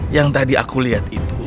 yang tadi aku lihat itu